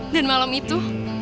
dan malam itu